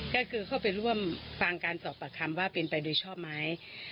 ก็คือเข้าไปร่วมฟังการสอบปากคำว่าเป็นไปโดยชอบไหม